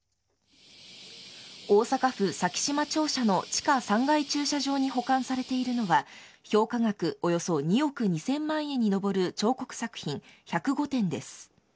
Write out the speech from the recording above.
大阪府咲洲庁舎の地下３階駐車場に保管されているのは、評価額およそ２億２０００万円に上る彫刻作品１０５点です。